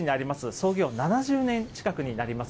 創業７０年近くになります